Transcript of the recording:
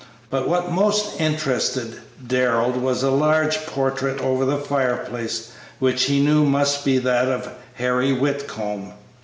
But what most interested Darrell was a large portrait over the fireplace, which he knew must be that of Harry Whitcomb.